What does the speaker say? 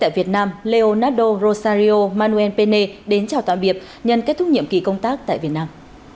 tại việt nam leondo rosario manuel pene đến chào tạm biệt nhân kết thúc nhiệm kỳ công tác tại việt nam